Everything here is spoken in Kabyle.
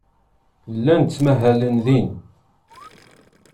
Llan ttmahalen din.